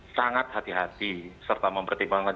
sangat hati hati serta mempertimbangkan